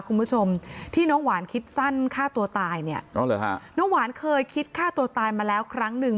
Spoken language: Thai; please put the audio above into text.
คุณผู้ชมที่น้องหวานคิดสั้นฆ่าตัวตายเนี่ยอ๋อเหรอฮะน้องหวานเคยคิดฆ่าตัวตายมาแล้วครั้งหนึ่ง